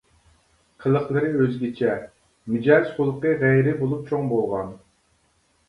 قىلىقلىرى ئۆزگىچە، مىجەز-خۇلقى غەيرىي بولۇپ چوڭ بولغان.